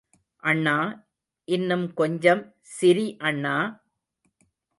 அண்ணா, இன்னும் கொஞ்சம் சிரி அண்ணா...!